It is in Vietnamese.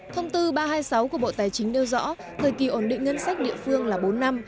thông tư ba trăm hai mươi sáu của bộ tài chính nêu rõ thời kỳ ổn định ngân sách địa phương là bốn năm